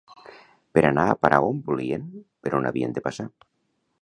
Per anar a parar on volien, per on havien de passar?